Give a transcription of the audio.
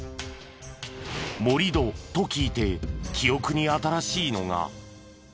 「盛り土」と聞いて記憶に新しいのが。